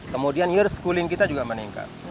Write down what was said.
kemudian year schooling kita juga meningkat